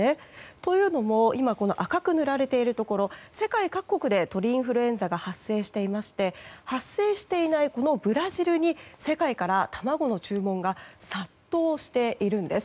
というのも今、赤く塗られているところ世界各国で鳥インフルエンザが発生していまして発生していないブラジルに世界から卵の注文が殺到しているんです。